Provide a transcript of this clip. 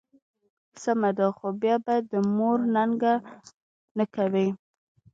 سمه ده، خو بیا به د مور ننګه نه کوې.